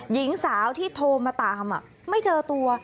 หญิงสาวที่โทรมาตามไม่เจอตัว